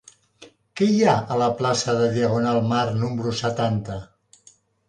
Què hi ha a la plaça de Diagonal Mar número setanta?